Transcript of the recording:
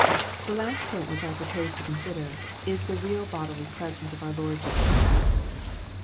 The last point which I propose to consider, is the real bodily presence of our Lord Jesus Clirist.